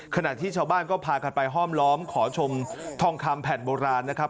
ขณะที่ชาวบ้านก็พากันไปห้อมล้อมขอชมทองคำแผ่นโบราณนะครับ